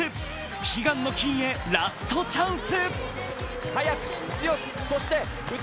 悲願の金へラストチャンス。